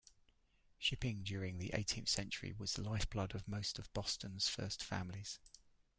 Shipping during the eighteenth century was the lifeblood of most of Boston's first families.